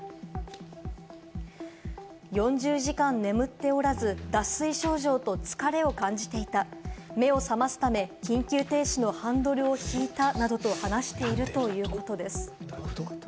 ４０時間眠っておらず、脱水症状と疲れを感じていた、目を覚ますため、緊急停止のハンドルを引いたなどと話しているということです。